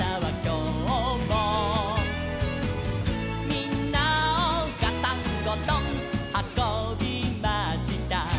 「みんなをガタンゴトンはこびました」